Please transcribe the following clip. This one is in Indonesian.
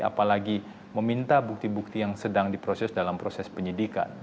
apalagi meminta bukti bukti yang sedang diproses dalam proses penyidikan